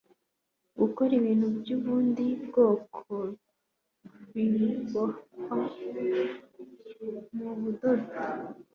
gukora ibintu by ubundi bwoko bibohwa mu budodo